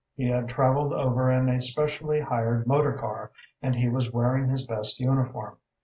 He had travelled over in a specially hired motor car, and he was wearing his best uniform.